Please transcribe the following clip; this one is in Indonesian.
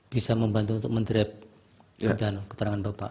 bisa membantu untuk mendrap